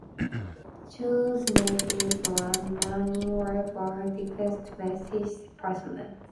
Jews native to Romania were declared stateless persons.